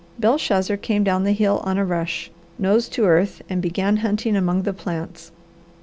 Belshazzar came down the hill on a rush, nose to earth and began hunting among the plants.